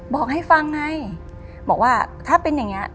บอกให้ฟังไงบอกว่าถ้าเป็นอย่างนี้